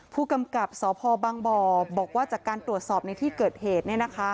ผู้กำกับสพบังบ่อบอกว่าจากการตรวจสอบในที่เกิดเหตุ